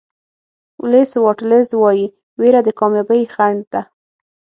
ولېس واټلز وایي وېره د کامیابۍ خنډ ده.